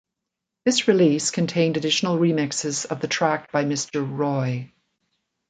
This release contained additional remixes of the track by Mr. Roy.